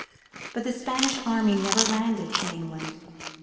But the Spanish army never landed in England.